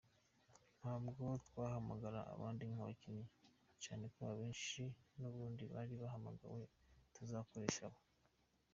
Ntabwo twahamagara abandi bakinnyi cyane ko abenshi n’ubundi bari bahamagawe, tuzakoresha aba.